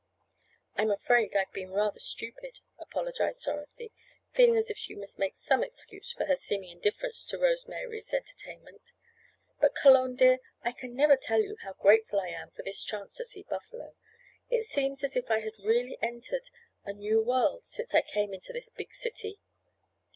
"I'm afraid I've been rather stupid," apologized Dorothy, feeling as if she must make some excuse for her seeming indifference to Rose Mary's entertainment. "But, Cologne dear, I can never tell you how grateful I am for this chance to see Buffalo. It seems as if I had really entered a new world since I came into this big city."